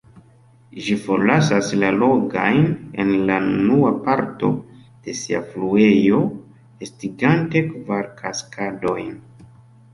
Ĝi forlasas la lagojn, en la unua parto de sia fluejo, estigante kvar kaskadojn.